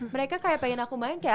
mereka kayak pengen aku main kayak